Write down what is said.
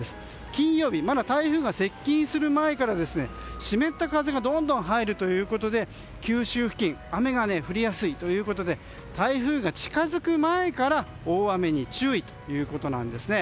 金曜日まだ台風が接近する前から湿った風がどんどん入るということで九州付近は雨が降りやすいので台風が近づく前から大雨に注意ということです。